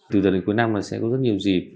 từ giờ đến cuối năm là sẽ có rất nhiều dịp